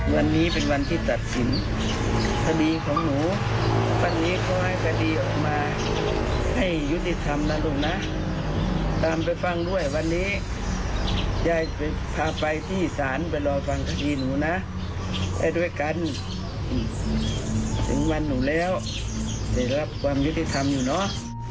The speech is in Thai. วันนี้เป็นวันที่ตัดสินคดีของหนูวันนี้เขาให้คดีออกมาให้ยุติธรรมนะลูกนะตามไปฟังด้วยวันนี้ยายพาไปที่ศาลไปรอฟังคดีหนูนะไปด้วยกันถึงวันหนูแล้วได้รับความยุติธรรมอยู่เนอะ